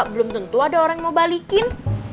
belum tentu ada orang mau balikin